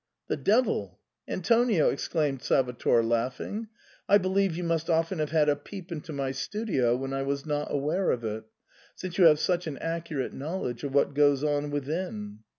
" The devil ! Antonio," exclaimed Salvator, laughing, " I believe you must often have had a peep into my studio when I was not aware of it, since you have such an accurate knowledge of what goes on within."